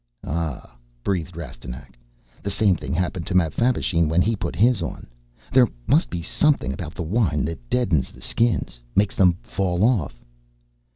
"Ah," breathed Rastignac. "The same thing happened to Mapfabvisheen when he put his on. There must be something about the wine that deadens the Skins, makes them fall off."